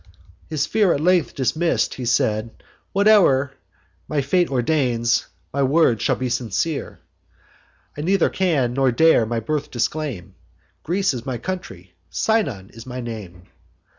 "His fear at length dismiss'd, he said: 'Whate'er My fate ordains, my words shall be sincere: I neither can nor dare my birth disclaim; Greece is my country, Sinon is my name.